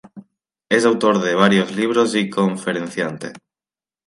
Es autor de varios libros y conferenciante.